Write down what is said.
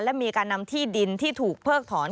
และมีการนำที่ดินที่ถูกเพิกถอน